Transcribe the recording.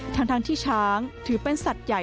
ทั้งที่ช้างถือเป็นสัตว์ใหญ่